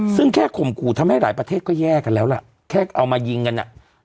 ซึ่งแค่ข่มขู่ทำให้หลายประเทศก็แย่กันแล้วล่ะแค่เอามายิงกันอ่ะ